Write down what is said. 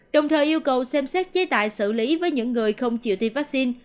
đồng thời yêu cầu xem xét chế tải xử lý với những người không chịu tiêm vaccine